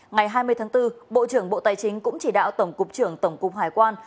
ngày hai mươi tháng bốn bộ trưởng bộ tài chính cũng chỉ đạo tổng cục trưởng tổng cục hải quan